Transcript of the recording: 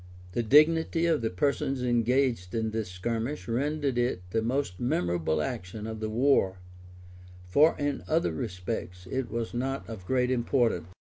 The dignity of the persons engaged in this skirmish rendered it the most memorable action of the war; for in other respects it was not of great importance.